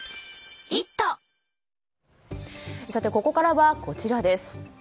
ここからは、こちらです。